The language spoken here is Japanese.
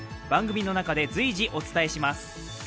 番組の中で随時お伝えします。